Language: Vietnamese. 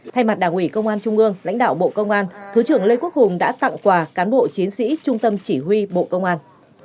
thay mặt đảng ủy công an trung ương lãnh đạo bộ công an thứ trưởng lê quốc hùng đã tặng quà cán bộ chiến sĩ trung tâm chỉ huy bộ công an